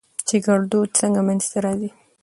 چې ګړدود څنګه منځ ته راځي؟